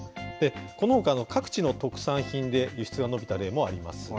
このほか、各地の特産品で輸出が伸びた例もあります。